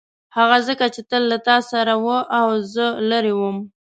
هغه ځکه چې تل له تا سره و او زه لیرې وم.